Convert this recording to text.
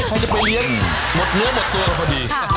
ใครจะไปเลี้ยงหมดเนื้อหมดตัวพอดี